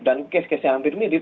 dan kes kesnya hampir mirip